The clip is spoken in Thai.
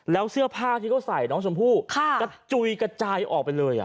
แล้วเสื้อผ้าที่เขาใส่น้องชมพู่กระจุยกระจายออกไปเลย